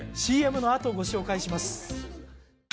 ＣＭのあとご紹介します